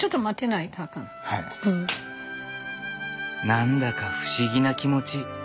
何だか不思議な気持ち。